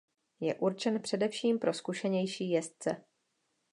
Je určen především pro zkušenější jezdce.